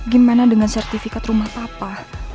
gimana dengan sertifikat rumah papa